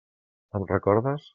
Em recordes?